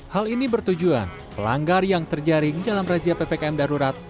hal ini bertujuan pelanggar yang terjaring dalam razia ppkm darurat